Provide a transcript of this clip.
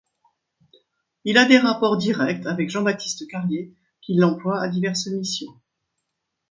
Il a des rapports directs avec Jean-Baptiste Carrier qui l'emploie à diverses missions.